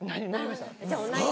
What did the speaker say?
じゃあ同じ。